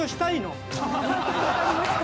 わかりました。